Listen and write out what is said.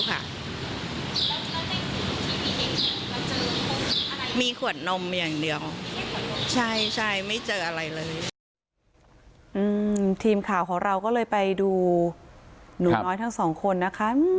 นะคะมีขวดนมอย่างเดียวใช่ไม่เจออะไรเลยทีมข่าวของเราก็เลยไปดูหนูน้อยทั้งสองคนนะคะ